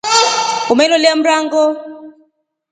Umeloliya mrango.